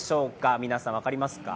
皆さん、分かりますか？